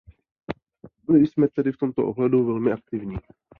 Byli jsme tedy v tomto ohledu velmi aktivní.